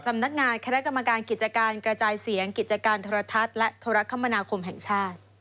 สำนักงานคณะกรรมการกิจการกระจายเสียงกิจการโทรทัศน์และโทรคมนาคมแห่งชาติ